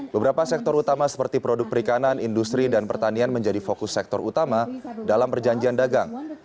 beberapa sektor utama seperti produk perikanan industri dan pertanian menjadi fokus sektor utama dalam perjanjian dagang